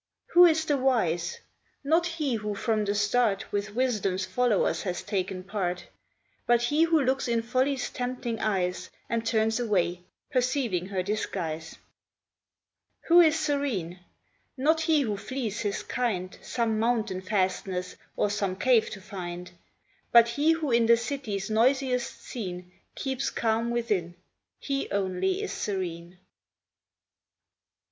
Who is the wise? Not he who from the start With Wisdom's followers has taken part; But he who looks in Folly's tempting eyes, And turns away, perceiving her disguise. Who is serene? Not he who flees his kind, Some mountain fastness, or some cave to find; But he who in the city's noisiest scene, Keeps calm within—he only is serene.